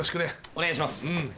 お願いします。